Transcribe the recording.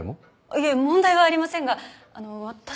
いえ問題はありませんが私はその。